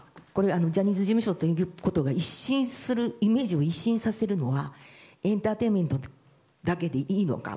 ジャニーズ事務所というイメージを一新するためにはエンターテインメントだけでいいのか。